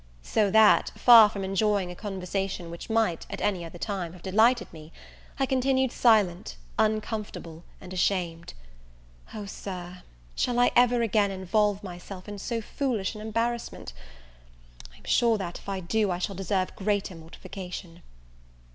So that, far from enjoying a conversation which might, at any other time, have delighted me, I continued silent, uncomfortable, and ashamed. O, Sir, shall I ever again involve myself in so foolish an embarrassment? I am sure that, if I do, I shall deserve greater mortification.